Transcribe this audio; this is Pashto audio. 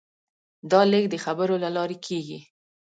دا لېږد د خبرو له لارې کېږي.